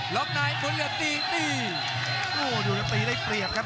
ล๊อคไนท์หมดเลือดตีตีโอ้ดูแล้วตีได้เปรียบครับ